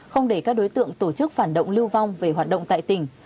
không để các đối tượng tổ chức phản động lưu vong về hoạt động tại tỉnh